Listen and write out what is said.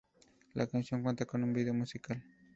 La canción cuenta con un video musical.